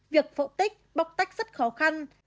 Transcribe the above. việc phẫu tích bóc tách rất khó khăn